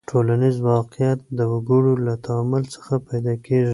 ټولنیز واقعیت د وګړو له تعامل څخه پیدا کیږي.